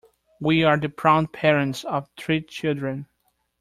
We are the proud parents of three children.